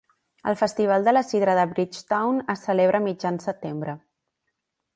El Festival de la Sidra de Bridgetown es celebra a mitjans setembre.